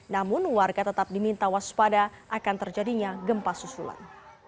namun warga tetap diminta waspada akan terjadinya gempa susulan